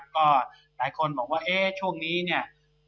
ก็หลายคนบอกว่าเอ๊ะช่วงนี้เนี่ย